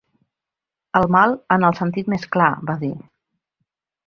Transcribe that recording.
El mal en el sentit més clar, va dir.